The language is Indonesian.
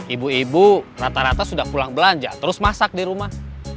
ibu ibu rata rata sudah pulang belanja terus masak di rumah